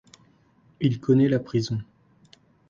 Il connaît la prison.